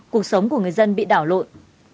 cuộc sống của người dân bị đảo lội